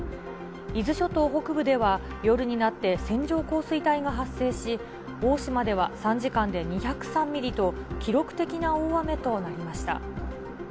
伊豆諸島北部では、夜になって線状降水帯が発生し、大島では３時間で２０３ミリと、記録的な大雨となりました。